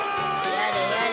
やれやれ。